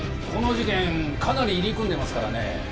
この事件かなり入り組んでますからね。